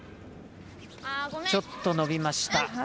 ちょっと伸びました。